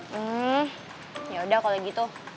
hmm yaudah kalau gitu